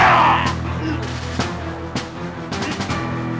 jangan seperti itu